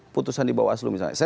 putusan di bawaslu misalnya